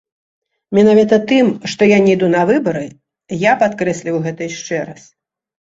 Менавіта тым, што я не іду на выбары, я падкрэсліваю гэта яшчэ раз.